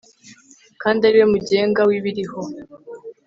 kandi ari we mugenga w'ibiriho